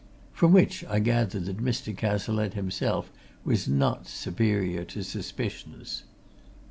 From which I gathered that Mr. Cazalette himself was not superior to suspicions.